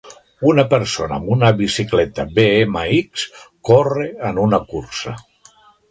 Una persona amb una bicicleta bmx, corre en una cursa.